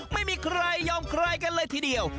ไม่มีใครยอมใครกันเลยทีเดียว